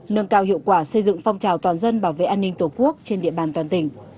nâng cao hiệu quả xây dựng phong trào toàn dân bảo vệ an ninh tổ quốc trên địa bàn toàn tỉnh